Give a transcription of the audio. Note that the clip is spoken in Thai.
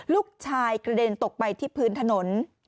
ลูกชายกระเด็นตกไปที่พื้นถนน